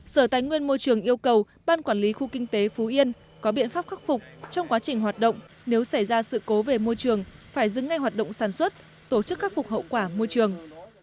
sở tài nguyên môi trường yêu cầu ban quản lý khu kinh tế phú yên có biện pháp khắc phục trong quá trình hoạt động nếu xảy ra sự cố về môi trường phải dừng ngay hoạt động sản xuất tổ chức khắc phục hậu quả môi trường